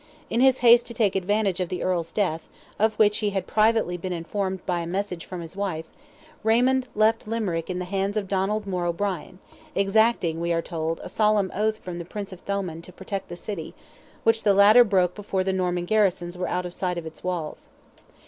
In his haste to take advantage of the Earl's death, of which he had privately been informed by a message from his wife, Raymond left Limerick in the hands of Donald More O'Brien, exacting, we are told, a solemn oath from the Prince of Thomond to protect the city, which the latter broke before the Norman garrisons were out of sight of its walls.